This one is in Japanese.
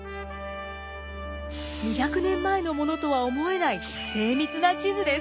２００年前のものとは思えない精密な地図です。